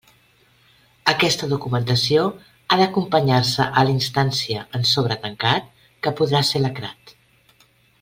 Aquesta documentació ha d'acompanyar-se a la instància en sobre tancat, que podrà ser lacrat.